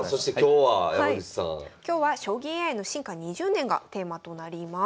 はい今日は将棋ＡＩの進化２０年がテーマとなります。